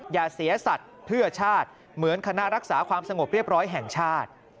อย่าเสียสัตว์เพื่อชาติเหมือนคณะรักษาความสงบเรียบร้อยแห่งชาติ